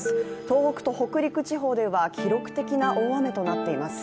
東北と北陸地方では記録的な大雨となっています。